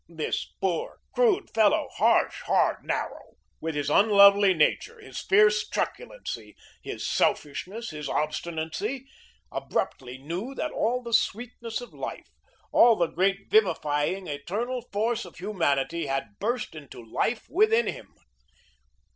This poor, crude fellow, harsh, hard, narrow, with his unlovely nature, his fierce truculency, his selfishness, his obstinacy, abruptly knew that all the sweetness of life, all the great vivifying eternal force of humanity had burst into life within him.